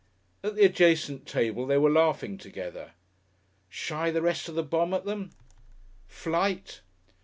At the adjacent table they were laughing together. Shy the rest of the bombe at them? Flight?